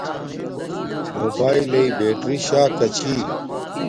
موباݵل لݵے بیٹری شاکا چھیݵ